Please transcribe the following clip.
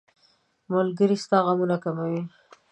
ملګری ستا غمونه کموي.